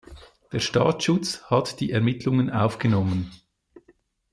Der Staatsschutz hat die Ermittlungen aufgenommen.